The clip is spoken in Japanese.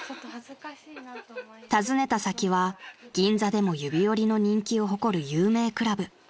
［訪ねた先は銀座でも指折りの人気を誇る有名クラブ］